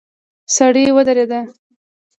سړی ودرید.